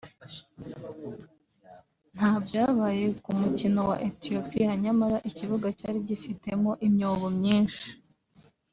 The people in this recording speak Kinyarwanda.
ntabyabaye ku mukino wa Ethiopia nyamara ikibuga cyari gifitemo imyobo myinshi